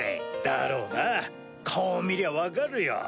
だろうな顔を見りゃ分かるよ。